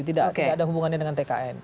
tidak ada hubungannya dengan tkn